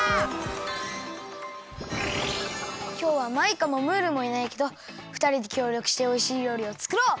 きょうはマイカもムールもいないけどふたりできょうりょくしておいしいりょうりをつくろう！